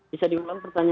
bisa diulang pertanyaannya